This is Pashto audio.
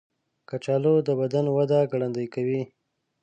کچالو د بدن وده ګړندۍ کوي.